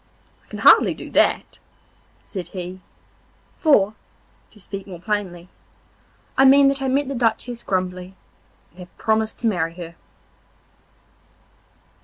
'I can hardly do that,' said he, 'for, to speak more plainly, I mean that I met the Duchess Grumbly, and have promised to marry her.